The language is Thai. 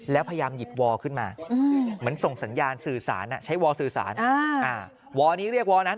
แล้วพยายามหยิบวอลขึ้นมาเหมือนส่งสัญญาณสื่อสารใช้วอลสื่อสารวอนี้เรียกวอนั้น